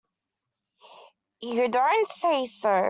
You don't say so!